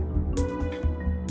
rekaman rifki bakal gue viral